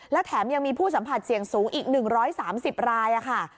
แล้วแถมยังมีผู้สัมผัสเสี่ยงสูงอีก๑๓๐รายค่ะ